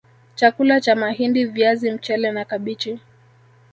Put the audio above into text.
Chakula cha mahindi viazi mchele na kabichi